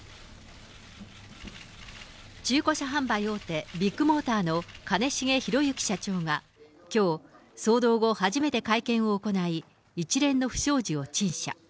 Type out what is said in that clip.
中古車販売大手、ビッグモーターの兼重宏行社長が、きょう、騒動後初めて会見を行い、一連の不祥事を陳謝。